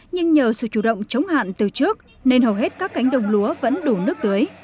nhưng nhờ sự chủ động chống hạn từ trước nên hầu hết các cánh đồng lúa vẫn đủ nước tưới